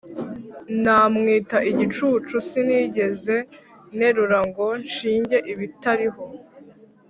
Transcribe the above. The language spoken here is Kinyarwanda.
Namwita igicucu Sinigeze nterura Ngo nshinge ibitariho;